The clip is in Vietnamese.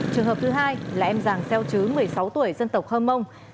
trường hợp thứ hai là em giàng xeo chứ một mươi sáu tuổi dân tật khơ mông